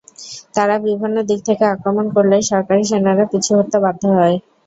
তারা বিভিন্ন দিক থেকে আক্রমণ করলে সরকারি সেনারা পিছু হটতে বাধ্য হয়।